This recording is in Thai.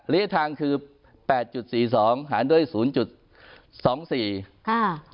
ทางคือแปดจุดสี่สองหารด้วยศูนย์จุดสองสี่ค่ะ